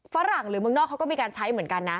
ฝรั่งหรือเมืองนอกเขาก็มีการใช้เหมือนกันนะ